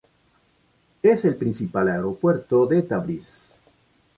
Es el principal aeropuerto de Tabriz.